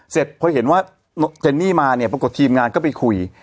เสร็จพอเห็นว่าเจนนี่มาเนี่ยปรากฏทีมงานก็ไปคุย